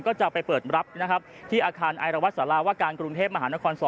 ก็จะไปเปิดรับนะครับที่อาคารไอรวัตรสาราว่าการกรุงเทพมหานคร๒